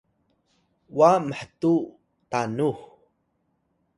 wa mhtuw tanux